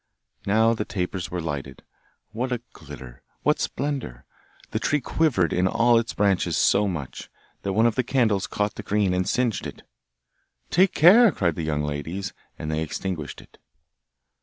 Now the tapers were lighted. What a glitter! What splendour! The tree quivered in all its branches so much, that one of the candles caught the green, and singed it. 'Take care!' cried the young ladies, and they extinguished it.